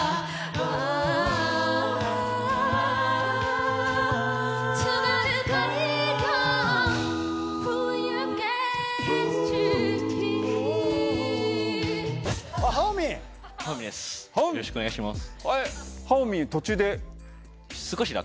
よろしくお願いします。